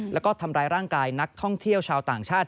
แล้วก็ทำร้ายร่างกายนักท่องเที่ยวชาวต่างชาติ